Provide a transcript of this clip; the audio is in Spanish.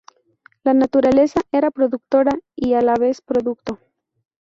La naturaleza era productora y, a la vez, producto.